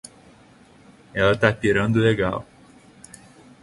Ela tá pirando legal.